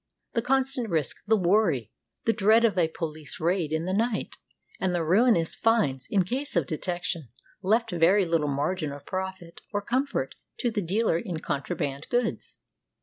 The constant risk, the worry, the dread of a poHce raid in the night, and the ruinous fines, in case of detection, left very little margin of profit or comfort to the dealer in contraband goods.